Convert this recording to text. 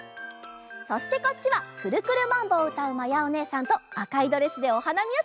そしてこっちは「くるくるマンボ」をうたうまやおねえさんとあかいドレスでおはなみをするまやおねえさん。